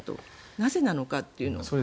なぜなのかというのを。